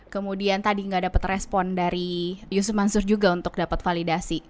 kemudian tadi enggak dapet respon dari yus mansur juga untuk dapet validasi